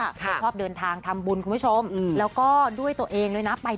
แต่พวกเราจะมาร่วมกันสร้างทำให้โบสถ์หลังนี้เสร็จนะฮะ